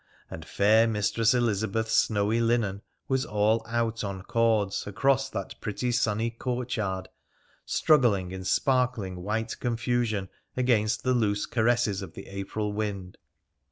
and fair Mistress Elizabeth's snowy linen was all out on cords across that pretty sunny courtyard, struggling in sparkling, white confusion against the loose caresses of the April wind.